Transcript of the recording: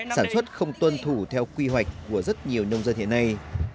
sản xuất không tuân thủ theo quy hoạch của rất nhiều nông dân hiện nay